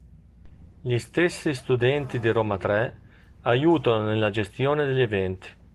Gli stessi studenti di Roma Tre aiutano nella gestione degli eventi.